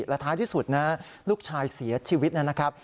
และท้ายที่สุดนะลูกชายเสียชีวิตนะครับ